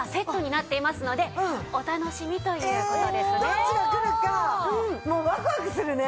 どっちが来るかもうワクワクするね！